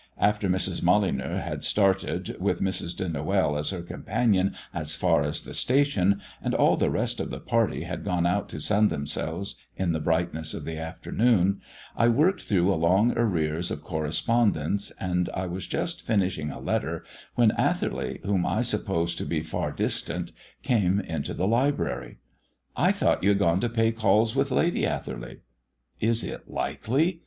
'" After Mrs. Molyneux had started, with Mrs. de Noël as her companion as far as the station, and all the rest of the party had gone out to sun themselves in the brightness of the afternoon, I worked through a long arrears of correspondence: and I was just finishing a letter, when Atherley, whom I supposed to be far distant, came into the library. "I thought you had gone to pay calls with Lady Atherley?" "Is it likely?